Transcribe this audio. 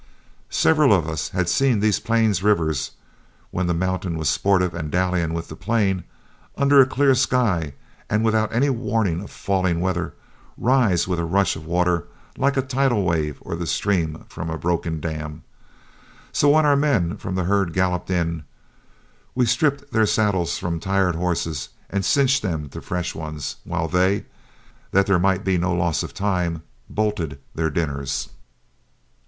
Several of us had seen these Plains rivers, when the mountain was sportive and dallying with the plain, under a clear sky and without any warning of falling weather, rise with a rush of water like a tidal wave or the stream from a broken dam. So when our men from herd galloped in, we stripped their saddles from tired horses and cinched them to fresh ones, while they, that there might be no loss of time, bolted their dinners.